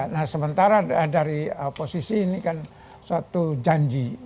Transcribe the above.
nah sementara dari posisi ini kan suatu janji